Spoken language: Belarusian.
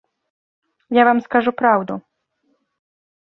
Я вам скажу праўду.